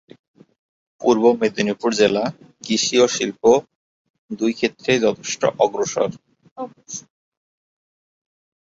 পূর্ব মেদিনীপুর জেলা কৃষি ও শিল্প দুই ক্ষেত্রেই যথেষ্ট অগ্রসর।